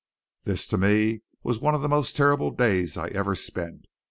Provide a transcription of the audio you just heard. This to me was one of the most terrible days I ever spent.